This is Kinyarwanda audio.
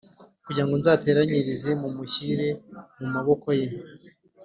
kugirango nzateranyirize mumushyire mumaboko ye,